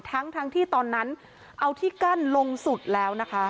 ทั้งทั้งที่ตอนนั้นเอาที่กั้นลงสุดแล้วนะคะ